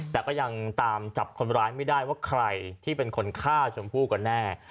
แต่ก็ยังตามจับคนร้ายไม่ได้ว่าใครที่เป็นคนฆ่าชมพู่กันแน่